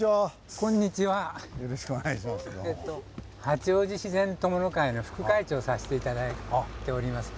八王子自然友の会の副会長をさせて頂いております